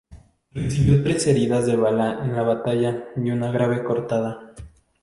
Recibió tres heridas de bala en la batalla y una grave cortada.